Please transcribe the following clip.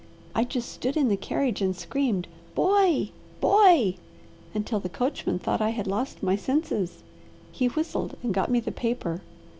I just stood in the carriage and screamed, 'Boy! Boy!' until the coachman thought I had lost my senses. He whistled and got me the paper.